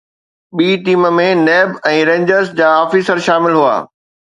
ٻي team ۾ NAB ۽ rangers جا officer شامل هئا